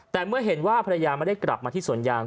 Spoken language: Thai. แต่เมื่อเห็นว่าภรรยาไม่ได้กลับมาที่สวนยาง